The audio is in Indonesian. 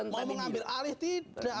mau mengambil alih tidak